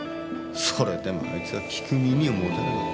それでもあいつは聞く耳を持たなかった。